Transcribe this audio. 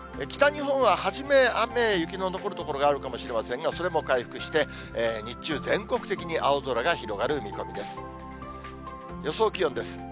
北日本ははじめ、雨、雪の残る所があるかもしれませんが、それも回復して、日中、全国的に青空が広がる見込みです。